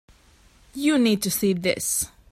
You need to see this.